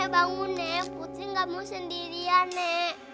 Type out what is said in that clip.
nek bangun nek putih kamu sendirian nek